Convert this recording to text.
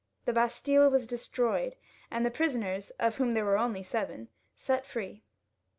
The Bastille was destroyed, and the prisoners, of whom there were only seven, set free.